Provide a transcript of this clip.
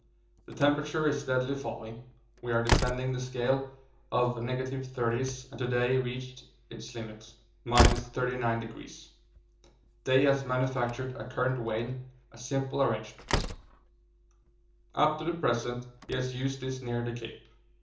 The temperature is steadily falling; we are descending the scale of negative thirties and to day reached its limit, 39°. Day has manufactured a current vane, a simple arrangement: up to the present he has used this near the Cape.